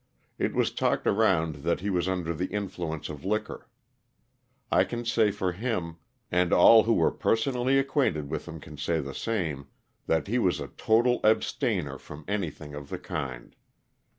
It was talked around that he was under the influence of liquor. I can say for him, and all who were personally acquainted with him can say the same, that he was a total abstainer from anything of the kind.